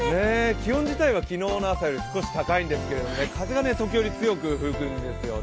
気温自体は昨日の朝より少し高いんですけど風が時折、強く吹くんですよね。